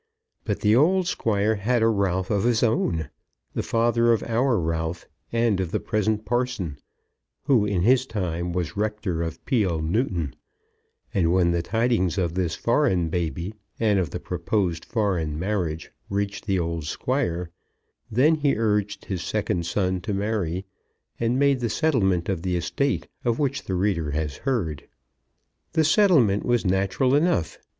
But the old Squire had a Ralph of his own, the father of our Ralph and of the present parson, who in his time was rector of Peele Newton; and when the tidings of this foreign baby and of the proposed foreign marriage reached the old Squire, then he urged his second son to marry, and made the settlement of the estate of which the reader has heard. The settlement was natural enough.